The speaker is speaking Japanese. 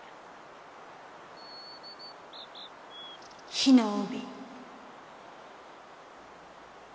火の帯。